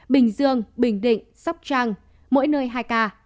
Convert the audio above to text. bình dương bình định sóc trăng mỗi nơi hai ca